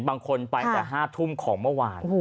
บางคนไปแต่๕ทุ่มของเมื่อวาน